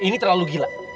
ini terlalu gila